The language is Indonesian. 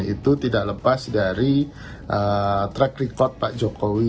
itu tidak lepas dari track record pak jokowi